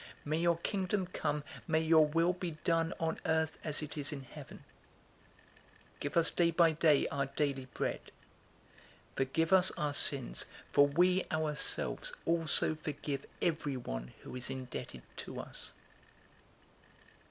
May your Kingdom come. May your will be done on Earth, as it is in heaven. 011:003 Give us day by day our daily bread. 011:004 Forgive us our sins, for we ourselves also forgive everyone who is indebted to us.